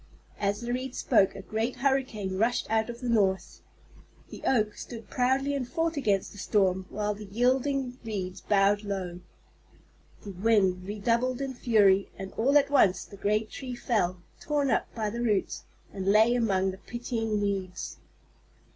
As the Reeds spoke a great hurricane rushed out of the north. The Oak stood proudly and fought against the storm, while the yielding Reeds bowed low. The wind redoubled in fury, and all at once the great tree fell, torn up by the roots, and lay among the pitying Reeds.